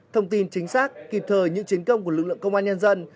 thông tin chính xác kịp thời những chiến công của lực lượng công an nhân dân